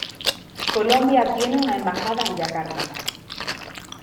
Colombia tiene una embajada en Yakarta.